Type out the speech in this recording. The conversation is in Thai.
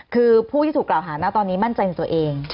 คือผู้ที่ถูกกล่าวหานะตอนนี้มั่นใจในตัวเอง